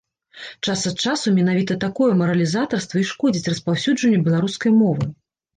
Час ад часу менавіта такое маралізатарства і шкодзіць распаўсюджанню беларускай мовы.